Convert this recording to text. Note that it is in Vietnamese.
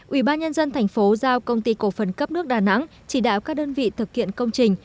ubnd tp giao công ty cổ phần cấp nước đà nẵng chỉ đạo các đơn vị thực kiện công trình